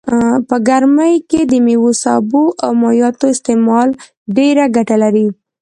په ګرمي کي دميوو سابو او مايعاتو استعمال ډيره ګټه لرئ